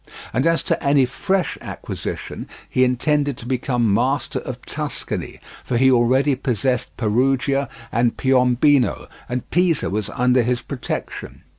And as to any fresh acquisition, he intended to become master of Tuscany, for he already possessed Perugia and Piombino, and Pisa was under his protection.